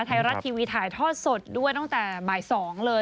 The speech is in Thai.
ไทยรัฐทีวีถ่ายทอดสดด้วยตั้งแต่บ่าย๒เลย